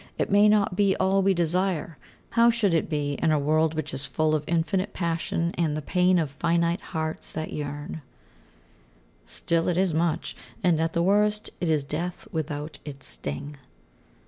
It may not be all we desire how should it be in a world which is full of "Infinite passion And the pain of finite hearts that yearn"? Still, it is much; and, at the worst, it is death without its sting.